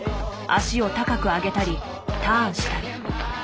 脚を高く上げたりターンしたり。